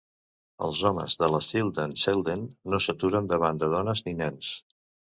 Els homes de l'estil d'en Selden no s'aturen davant de dones ni nens.